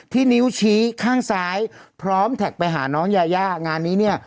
นิ้วชี้ข้างซ้ายพร้อมแท็กไปหาน้องยายางานนี้เนี่ย